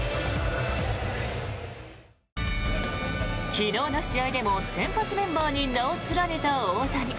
昨日の試合でも先発メンバーに名を連ねた大谷。